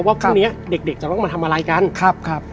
ว่าพรุ่งนี้เด็กจะต้องมาทำอะไรกันครับ